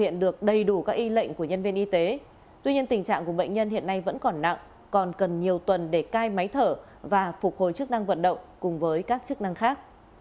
tuy nhiên tình trạng của bệnh nhân hiện nay vẫn còn nặng còn cần nhiều tuần để cai máy thở và phục hồi chức năng vận động cùng với các chức năng khác